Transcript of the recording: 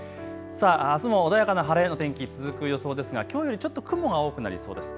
あすも穏やかな晴れの天気、続く予想ですが、きょうよりちょっと雲が多くなりそうです。